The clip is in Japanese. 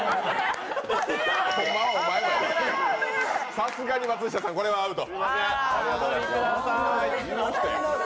さすがに松下さん、これはアウト。